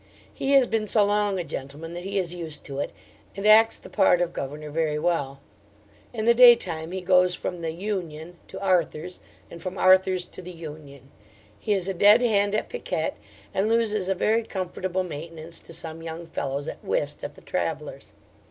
He has been so long a gentleman that he is used to it, and acts the part of governor very well. In the day time he goes from the 'Union' to 'Arthur's,' and from 'Arthur's' to the 'Union.' He is a dead hand at piquet, and loses a very comfortable maintenance to some young fellows, at whist, at the 'Travellers'.'